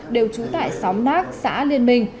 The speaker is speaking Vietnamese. đều trú tại xóm nác xã liên minh